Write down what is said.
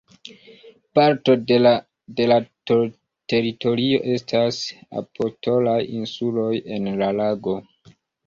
Parto de la teritorio estas la "Apostolaj Insuloj" en la lago.